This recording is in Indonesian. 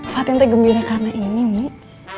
fatin teh gembira karena ini nih